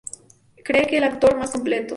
Cree que es el actor más completo.